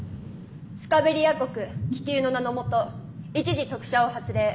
スカベリア国姫宮の名のもと一時特赦を発令。